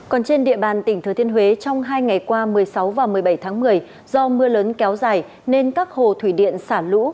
còn trên địa bàn tỉnh thừa thiên huế trong hai ngày qua một mươi sáu và một mươi bảy tháng một mươi do mưa lớn kéo dài nên các hồ thủy điện xả lũ